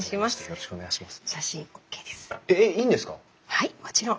はいもちろん。